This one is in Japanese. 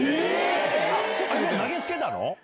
投げ付けたの？